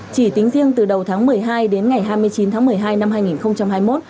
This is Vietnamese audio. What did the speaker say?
chỉ tính riêng từ đầu tháng một mươi hai đến ngày hai mươi chín tháng một mươi hai năm hai nghìn hai mươi một